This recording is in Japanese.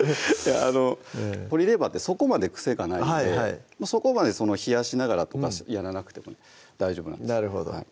鶏レバーってそこまで癖がないのでそこまで冷やしながらとかやらなくても大丈夫なんです